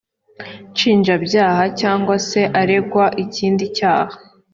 nshinjabyaha cyangwa se aregwa ikindi cyaha